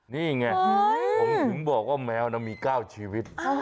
นี่ไงหนึ่งบอกว่าแมวมีก้าวชีวิต